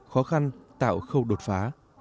khó khăn tạo khâu đột phá